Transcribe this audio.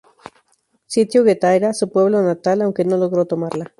Sitió Guetaria, su pueblo natal, aunque no logró tomarla.